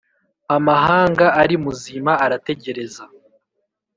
amahanga ari muzima arategereza,